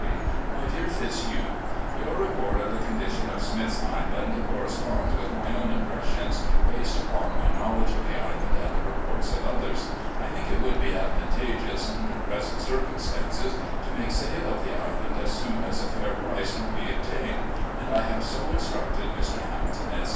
"My Dear Fitzhugh: Your report of the condition of Smith's Island corresponds with my own impressions, based upon my knowledge of the island and the reports of others. I think it would be advantageous, under present circumstances, to make sale of the island as soon as a fair price can be obtained, and I have so instructed Mr. Hamilton S.